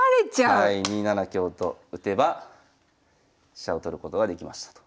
２七香と打てば飛車を取ることができましたと。